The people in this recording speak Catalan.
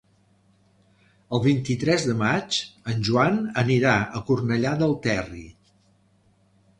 El vint-i-tres de maig en Joan anirà a Cornellà del Terri.